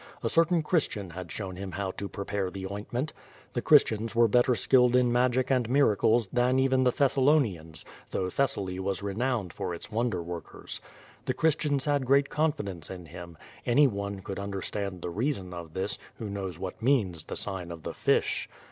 A certain Christian had shown him how to prepare the ointment. The Chris tians were better skilled in magic and miracles than even the Thessalonians, though Thessaly was renowned for its won der workers. The Christians had great confidence in him. Anyone could understand the reason of this, who knows what means the sign of the fish.